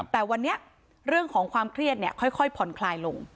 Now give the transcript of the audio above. แต่วันนี้เรื่องของความเครียดค่อยผ่อนคลายลง